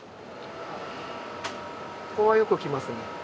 ここはよく来ますね。